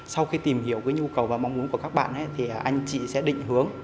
sau khi tìm hiểu nhu cầu và mong muốn của các bạn thì anh chị sẽ định hướng